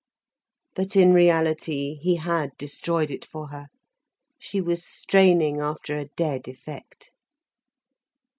But in reality, he had destroyed it for her, she was straining after a dead effect.